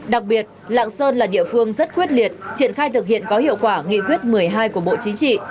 đặc biệt lạng sơn là địa phương rất quyết liệt triển khai thực hiện có hiệu quả nghị quyết một mươi hai của bộ chính trị